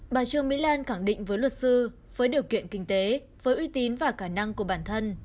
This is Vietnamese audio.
bà trương mỹ lan khẳng định với luật sư với điều kiện kinh tế với uy tín và khả năng của bản thân